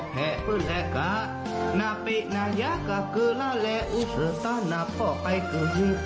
เพลงก็พอดี